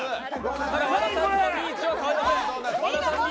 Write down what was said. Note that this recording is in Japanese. ただ、和田さんのリーチは変わりません。